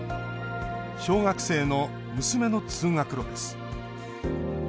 小学生の娘の通学路です。